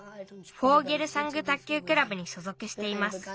フォーゲルサング卓球クラブにしょぞくしています。